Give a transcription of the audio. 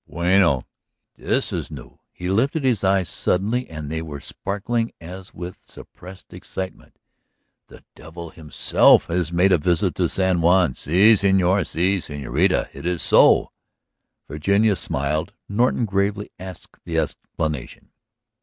Bueno, this is new!" He lifted his eyes suddenly and they were sparkling as with suppressed excitement. "The Devil himself has made a visit to San Juan. Si, señor; si, señorita. It is so." Virginia smiled; Norton gravely asked the explanation.